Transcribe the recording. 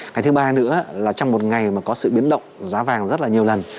cái thứ ba nữa là trong một ngày mà có sự biến động giá vàng rất là nhiều lần